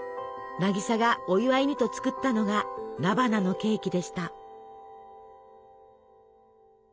渚がお祝いにと作ったのが菜花のケーキでした。